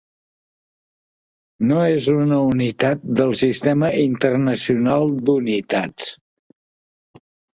No és una unitat del Sistema Internacional d'Unitats.